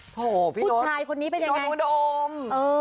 โอ้โฮพี่โน๊ตพี่โน๊ตอุดม